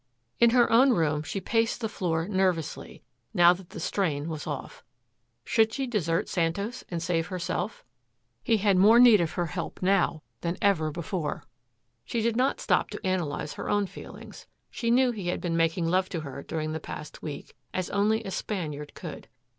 In her own room she paced the floor nervously, now that the strain was off. Should she desert Santos and save herself? He had more need of her help now than ever before. She did not stop to analyze her own feelings. She knew he had been making love to her during the past week as only a Spaniard could.